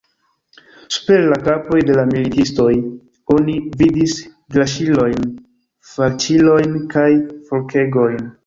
Super la kapoj de la militistoj oni vidis draŝilojn, falĉilojn kaj forkegojn.